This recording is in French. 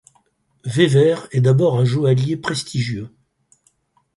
Vever est d'abord un joaillier prestigieux.